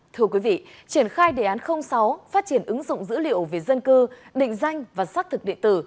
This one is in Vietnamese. thưa quý vị triển khai đề án sáu phát triển ứng dụng dữ liệu về dân cư định danh và xác thực địa tử